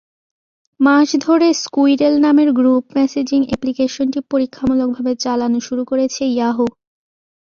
মাস ধরে স্কুইরেল নামের group messaging অ্যাপ্লিকেশনটি পরীক্ষামূলকভাবে চালানো শুরু করেছে ইয়াহু।